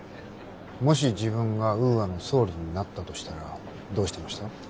もし自分がウーアの総理になったとしたらどうしてました？